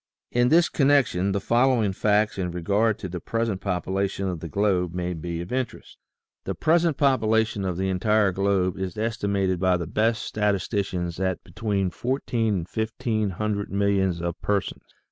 In this connection the following facts in regard to the present population of the globe may be of interest : The present population of the entire globe is estimated by the best statisticians at between fourteen and fifteen 166 THE SEVEN FOLLIES OF SCIENCE hundred millions of persons.